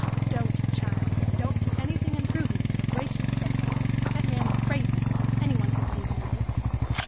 "Don't child! don't do anything imprudent, for gracious' sake! That man is crazy any one can see he is!"